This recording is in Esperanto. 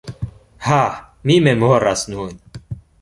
Ha, mi memoras nun.